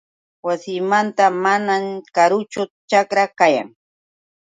Wasiymanta manam karuchu ćhakra kayan.